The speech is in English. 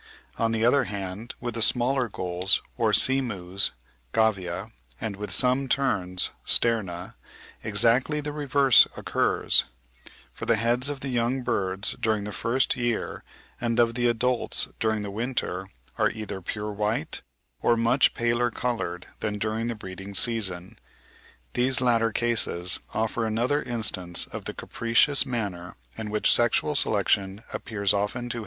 On the other hand, with the smaller gulls, or sea mews (Gavia), and with some terns (Sterna), exactly the reverse occurs; for the heads of the young birds during the first year, and of the adults during the winter, are either pure white, or much paler coloured than during the breeding season. These latter cases offer another instance of the capricious manner in which sexual selection appears often to have acted.